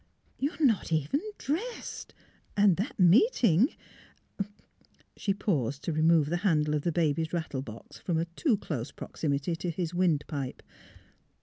'' You are not even dressed; and that meet ing " She paused to remove the handle of the baby's rattle box from a too close proximity to his wind pipe.